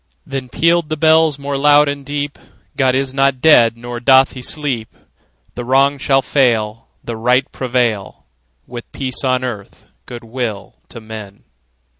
Then pealed the bells more loud and deep: "God is not dead; nor doth he sleep! The Wrong shall fail, The Right prevail, With peace on earth, good will to men!"